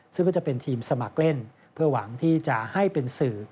ซึ่งก็จะเป็นทีมสมัครเล่นเพื่อหวังที่จะให้เป็นสื่อ